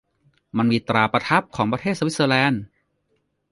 มันมีตราประทับของประเทศสวิสเซอร์แลนด์